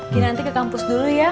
ki nanti ke kampus dulu ya